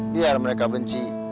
biar mereka benci